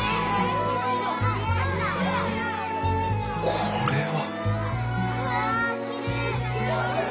これは。